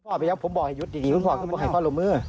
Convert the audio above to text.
พ่อไปแล้วผมบอกให้หยุดดีพ่อพ่อลงมือ